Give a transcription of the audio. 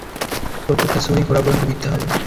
প্রত্যেকটা ছুরিই গোঁড়া পর্যন্ত বিঁধতে হবে!